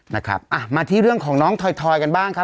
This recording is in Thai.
นะครับอ่ะมาที่เรื่องของน้องถอยกันบ้างครับ